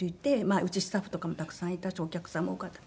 うちスタッフとかもたくさんいたしお客さんも多かったんで。